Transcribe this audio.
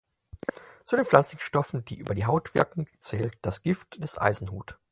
Zu den pflanzlichen Stoffen, die über die Haut wirken, zählt das Gift des Eisenhut.